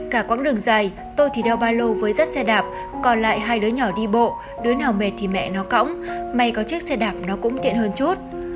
cả quãng đường dài tôi thì đeo ba lô với dắt xe đạp còn lại hai đứa nhỏ đi bộ đứa nào mệt thì mẹ nó cõng may có chiếc xe đạp nó cũng tiện hơn chút